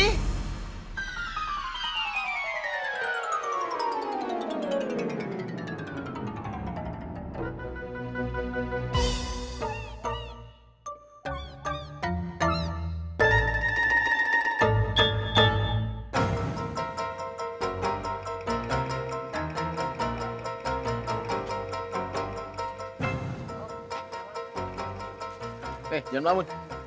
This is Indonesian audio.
nih jangan melamun